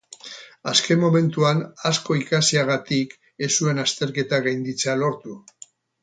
Azken momentuan asko ikasiagatik, ez zuen azterketa gainditzea lortu.